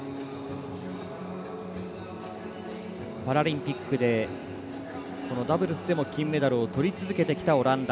パラリンピックでダブルスでも金メダルをとり続けてきたオランダ。